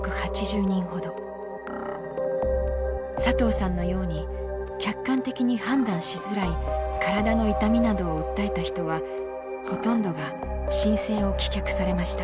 佐藤さんのように客観的に判断しづらい体の痛みなどを訴えた人はほとんどが申請を棄却されました。